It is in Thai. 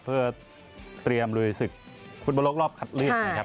เพื่อเตรียมลุยศึกฟุตบอลโลกรอบคัดเลือกนะครับ